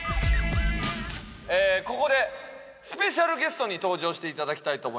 ここでスペシャルゲストに登場していただきたいと思います。